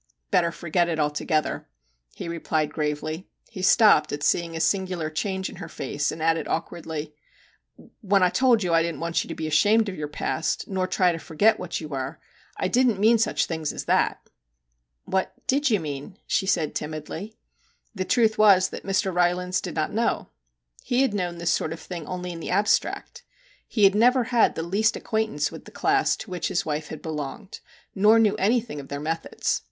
'Better forget it altogether,' he replied gravely. He stopped at seeing a singular change in her face, and added awkwardly, 'When I told you I didn't want you to be ashamed of your past, nor to try to forget what you were, I didn't mean such things as that !'' What did you mean ?' she said timidly. The truth was that Mr. Rylands did not know. He had known this sort of thing only in the abstract. He had never had the least acquaintance with the class to which his wife had belonged, nor knew anything of their methods.